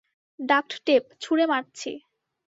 Duct tape, ছুঁড়ে মারছি!